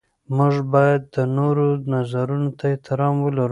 موږ باید د نورو نظرونو ته احترام ولرو.